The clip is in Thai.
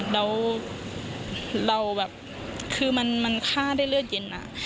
แล้วเราแบบคือมันฆ่าได้เลือดเย็นอะ